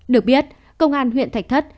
được biết công an huyện thạch thất